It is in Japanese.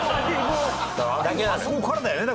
あそこからだよね